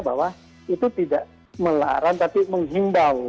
bahwa itu tidak melarang tapi menghimbau